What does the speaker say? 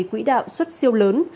quỹ đạo xuất siêu lớn